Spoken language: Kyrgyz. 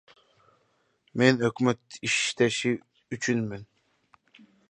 Мен өкмөт иштеши үчүнмүн.